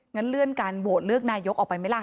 งั้นเลื่อนการโหวตเลือกนายกออกไปไหมล่ะ